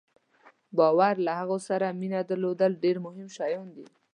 باور او له هغه سره مینه درلودل ډېر مهم شیان دي.